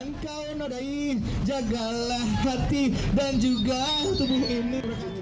engkau yang nadaik jagalah hati dan juga tubuh ini